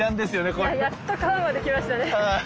やっと川まで来ましたね。